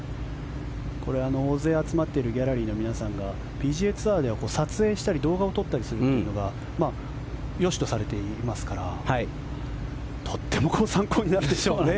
これは大勢集まっているギャラリーの皆さんがＰＧＡツアーでは写真を撮ったり動画を撮ったりするのがよしとされていますからとっても参考になるでしょうね。